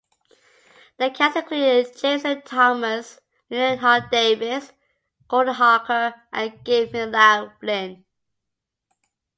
The cast included Jameson Thomas, Lillian Hall-Davis, Gordon Harker and Gibb McLaughlin.